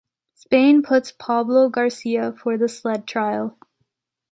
Spain puts Pablo García for the sled trial.